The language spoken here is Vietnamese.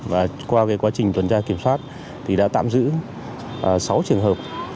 và qua quá trình tuần tra kiểm soát thì đã tạm giữ sáu trường hợp